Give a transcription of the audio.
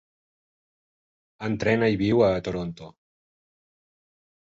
Entrena i viu a Toronto.